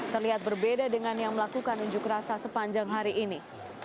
terlihat berbeda dengan yang melakukan unjuk rasa sepanjang hari ini